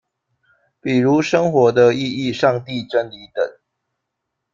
比如生活的意义、上帝，真理等。